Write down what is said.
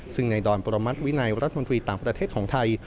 ซึ่งในดอนประมัติวินัยรัฐมนตรีต่างประเทศของไทย